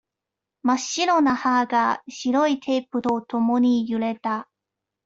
真っ白な歯が、白いテープとともにゆれた。